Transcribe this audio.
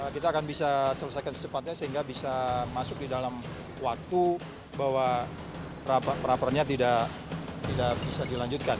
kita akan bisa selesaikan secepatnya sehingga bisa masuk di dalam waktu bahwa peraperannya tidak bisa dilanjutkan